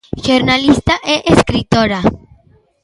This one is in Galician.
Xornalista e escritora.